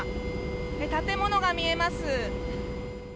建物が見えます。